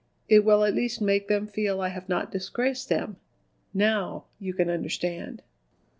It will at least make them feel I have not disgraced them. Now you can understand!"